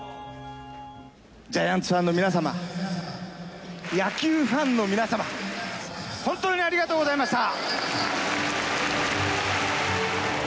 ジャイアンツファンの皆様、野球ファンの皆様、本当にありがとうございました。